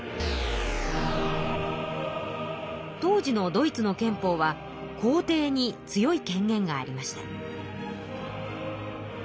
当時のドイツの憲法は皇帝に強い権限がありました。